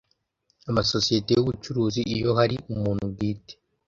Amasosiyete y ubucuruzi iyo hari umuntu bwite